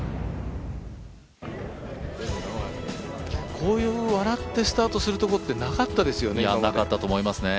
こういう笑ってスタートすることってなかったですよね、今まで。